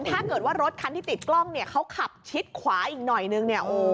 ถ้าเกิดว่ารถคันนี้ติดกล้องเขาขับชิดขวาอีกหน่อยหนึ่ง